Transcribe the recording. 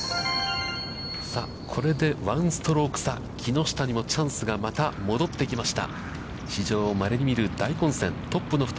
これで１ストローク差、木下にもチャンスがまた戻ってきました。